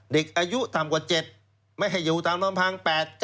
เด็กอายุต่ำกว่า๗ไม่ให้อยู่ตามลำพัง๘๙